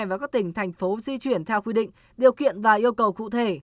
và các tỉnh thành phố di chuyển theo quy định điều kiện và yêu cầu cụ thể